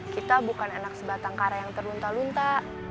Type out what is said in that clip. kita bukan anak sebatang kara yang terlunta lunta